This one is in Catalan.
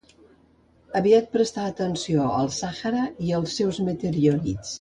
Aviat prestà atenció al Sàhara i els seus meteorits.